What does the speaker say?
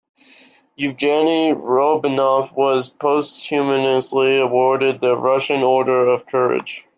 Yevgeny Rodionov was posthumously awarded the Russian Order of Courage.